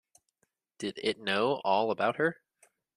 Did it know all about her?